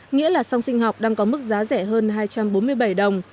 nghĩa là xăng sinh học đang có mức giá rẻ hơn hai trăm bốn mươi bảy đồng